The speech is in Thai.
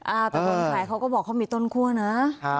อ่าปฐมแผงเขาก็บอกเขามีต้นคั่วนะ